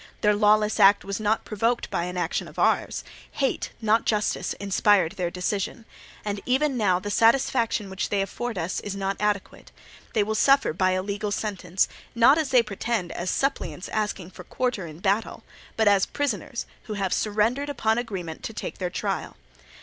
Their lawless act was not provoked by any action of ours: hate, not justice, inspired their decision; and even now the satisfaction which they afford us is not adequate; they will suffer by a legal sentence, not as they pretend as suppliants asking for quarter in battle, but as prisoners who have surrendered upon agreement to take their trial.